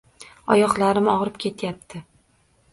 Oyoqlarim og'rib ketyapti.